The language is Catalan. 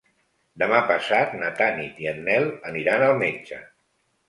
Demà passat na Tanit i en Nel aniran al metge.